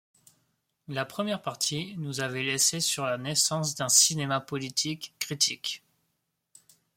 La première partie nous avait laissés sur la naissance d'un cinéma politique critique.